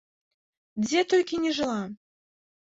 Дзе толькі не жыла!